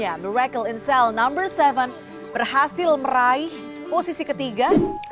ya miracle in cell no tujuh berhasil meraih posisi ketiga